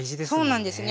そうなんですね。